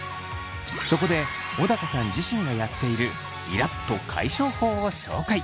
そこで小高さん自身がやっているイラっと解消法を紹介。